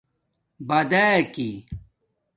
باداکی